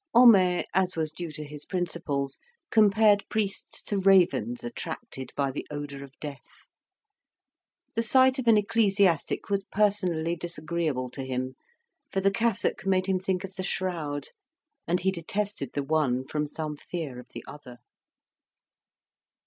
Homais, as was due to his principles, compared priests to ravens attracted by the odour of death. The sight of an ecclesiastic was personally disagreeable to him, for the cassock made him think of the shroud, and he detested the one from some fear of the other.